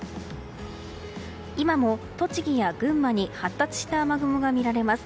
今も栃木や群馬に発達した雨雲が見られます。